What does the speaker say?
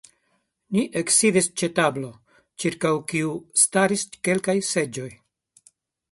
Ni eksidis ĉe tablo, ĉirkaŭ kiu staris kelkaj seĝoj.